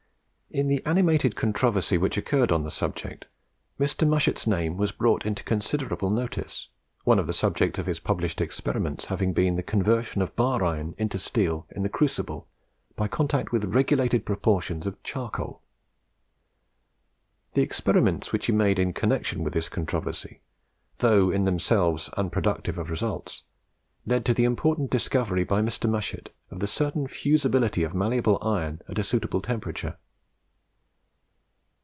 In the animated controversy which occurred on the subject, Mr. Mushet's name was brought into considerable notice; one of the subjects of his published experiments having been the conversion of bar iron into steel in the crucible by contact with regulated proportions of charcoal. The experiments which he made in connection with this controversy, though in themselves unproductive of results, led to the important discovery by Mr. Mushet of the certain fusibility of malleable iron at a suitable temperature.